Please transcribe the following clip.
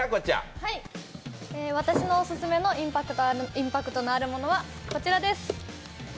私のオススメのインパクトのあるものはこちらです。